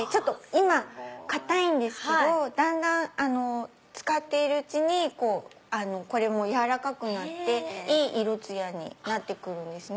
今硬いんですけどだんだん使っているうちにこれも軟らかくなっていい色つやになってくるんですね。